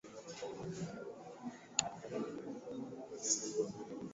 Kundi hilo limedai kuhusika na shambulizi la Kongo lililouwa watu kumi na tano